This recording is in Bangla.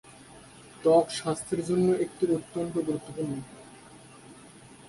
ত্বকের স্বাস্থ্যের জন্য এটি অত্যন্ত গুরুত্বপূর্ণ।